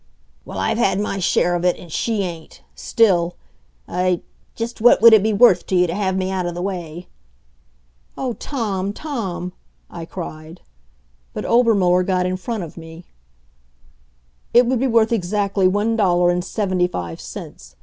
"Well, I've had my share of it. And she ain't. Still I ... Just what would it be worth to you to have me out of the way?" "Oh, Tom Tom " I cried. But Obermuller got in front of me. "It would be worth exactly one dollar and seventy five cents.